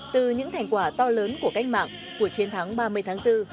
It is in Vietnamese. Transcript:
từ những thành quả to lớn của cách mạng của chiến thắng ba mươi tháng bốn